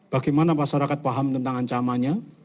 bagaimana masyarakat paham tentang ancamannya